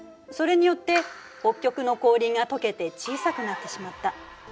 それによって北極の氷が解けて小さくなってしまった。